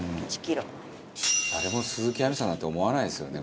「誰も鈴木亜美さんだと思わないですよね